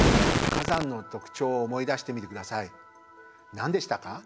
何でしたか？